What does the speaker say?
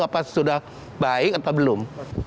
apakah sudah baik atau belum